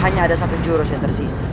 hanya ada satu jurus yang tersisa